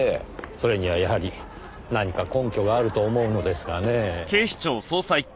それにはやはり何か根拠があると思うのですがねぇ。